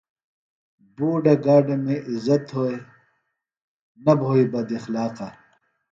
بُوڈہ گاڈمے عزت تھوئے نہ بھوئے بداخلاقہ۔